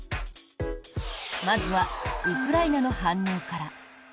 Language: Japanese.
まずはウクライナの反応から。